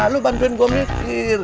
lu bantuin gue mikir